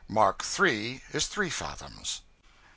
'Mark three' is three fathoms.